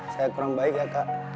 saya kurang baik ya kak